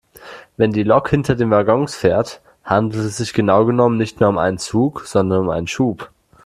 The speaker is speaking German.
Wenn die Lok hinter den Waggons fährt, handelt es sich genau genommen nicht mehr um einen Zug sondern um einen Schub.